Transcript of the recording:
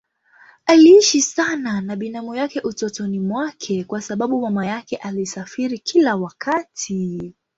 Aliishi sana na binamu yake utotoni mwake kwa sababu mama yake alisafiri kila wakati.